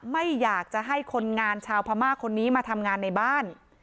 ไม่อยากจะให้คนงานชาวพม่าคนนี้มาทำงานในบ้าน